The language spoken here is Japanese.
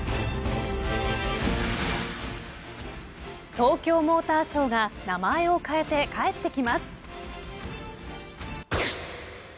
東京モーターショーが名前を変えて帰ってきます。